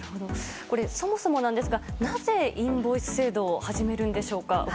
そもそもですがなぜインボイス制度を始めるんでしょうか？